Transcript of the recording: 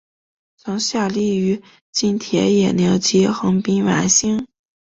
曾效力于近铁野牛及横滨湾星。